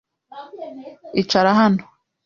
Icara hano.